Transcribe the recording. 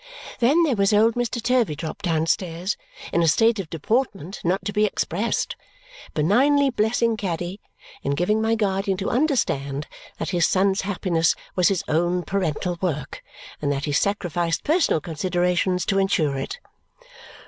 Then there was old Mr. Turveydrop downstairs, in a state of deportment not to be expressed, benignly blessing Caddy and giving my guardian to understand that his son's happiness was his own parental work and that he sacrificed personal considerations to ensure it.